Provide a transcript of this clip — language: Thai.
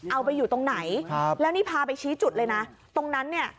เอาไปอยู่ตรงไหนครับแล้วนี่พาไปชี้จุดเลยนะตรงนั้นเนี่ย